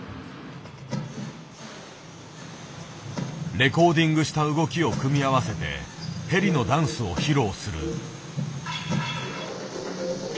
レコーディングした動きを組み合わせてヘリのダンスを披露する。